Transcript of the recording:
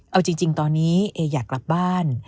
เอาจริงตอนนี้เออยากกลับบ้าน